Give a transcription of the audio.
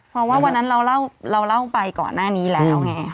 เพราะว่าวันนั้นเราเล่าไปก่อนหน้านี้แล้วไง